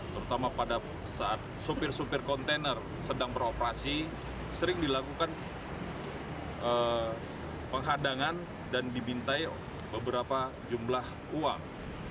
terutama pada saat supir supir kontainer sedang beroperasi sering dilakukan penghadangan dan dibintai beberapa jumlah uang